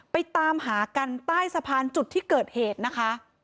ตามหากันใต้สะพานจุดที่เกิดเหตุนะคะ